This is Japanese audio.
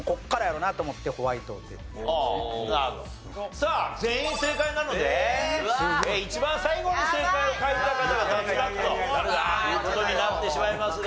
さあ全員正解なので一番最後に正解を書いた方が脱落という事になってしまいますが。